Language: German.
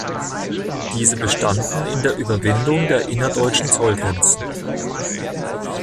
Diese bestanden in der Überwindung der innerdeutschen Zollgrenzen.